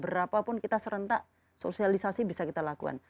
berapa pun kita serentak sosialisasi bisa kita lakukan